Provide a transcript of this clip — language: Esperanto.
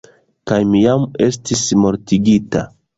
Kaj mi jam estis mortigita.